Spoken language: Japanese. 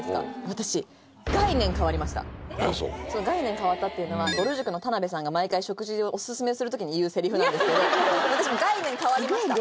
私「概念変わった」っていうのは「ぼる塾」の田辺さんが毎回食事をオススメする時に言うせりふなんですけど私概念変わりました！